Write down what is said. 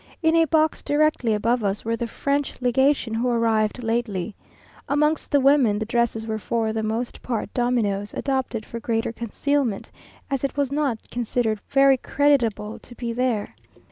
In a box directly above us were the French legation who arrived lately. Amongst the women, the dresses were for the most part dominoes, adopted for greater concealment, as it was not considered very creditable to be there.